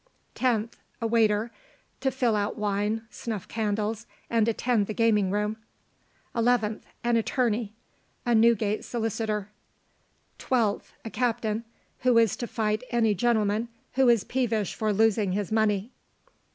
10th. A WAITER, to fill out wine, snuff candles, and attend the gaming room. 11th. An ATTORNEY, a Newgate solicitor. 12th. A CAPTAIN, who is to fight any gentleman who is peevish for losing his money.